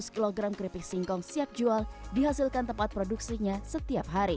tak kurang dari tiga ratus kg keripik singkong siap jual dihasilkan tempat produksinya setiap hari